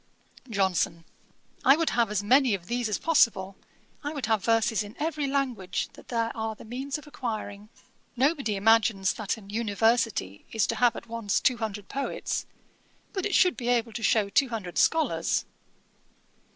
JOHNSON. 'I would have as many of these as possible; I would have verses in every language that there are the means of acquiring. Nobody imagines that an University is to have at once two hundred poets; but it should be able to show two hundred scholars.